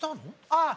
ああ！